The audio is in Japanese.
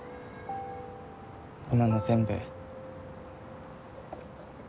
今の全部。